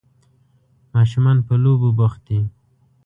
ماشومان په لوبو بوخت دي.